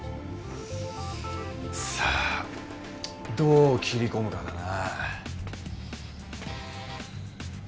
さあどう切り込むかだな。